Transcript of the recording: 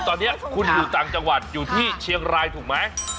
ตอนนี้คุณอยู่ต่างจังหวัดอยู่ที่เชียงรายถูกไหม